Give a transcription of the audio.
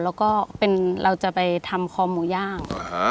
แล้วก็เราจะไปทำคอหมูย่าง